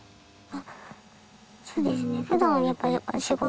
あっそうですね。